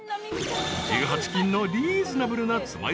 ［１８金のリーズナブルなつま